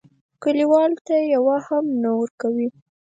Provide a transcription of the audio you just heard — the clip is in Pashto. کلیوالو ته یوه هم نه ورکوي.